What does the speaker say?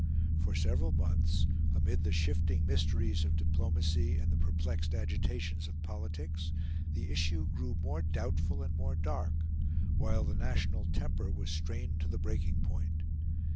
For several months, amid the shifting mysteries of diplomacy and the perplexed agitations of politics, the issue grew more doubtful and more dark, while the national temper was strained to the breaking point.